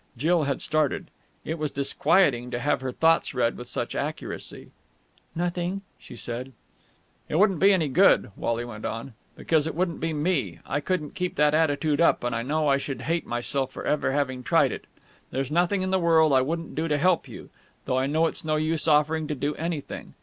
Jill had started. It was disquieting to have her thoughts read with such accuracy. "Nothing," she said. "It wouldn't be any good," Wally went on, "because it wouldn't be me. I couldn't keep that attitude up, and I know I should hate myself for ever having tried it. There's nothing in the world I wouldn't do to help you, though I know it's no use offering to do anything.